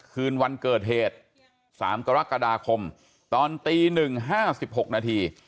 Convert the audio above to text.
คืนวันเกิดเหตุ๓กรกฎาคมตอนตี๑๕๖นาที